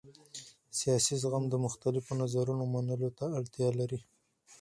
سیاسي زغم د مختلفو نظرونو منلو ته اړتیا لري